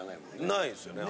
ないんですよね